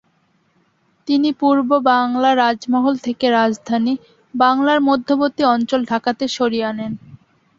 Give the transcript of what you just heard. তিনি পূর্ব বাংলা রাজমহল থেকে রাজধানী বাংলার মধ্যবর্তী অঞ্চল ঢাকাতে সরিয়ে আনেন।